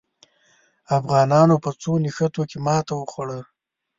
افغانانو په څو نښتو کې ماته وخوړه.